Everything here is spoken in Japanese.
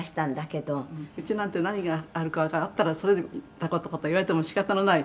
「うちなんて何があるかあったらそれ見た事かと言われても仕方のない」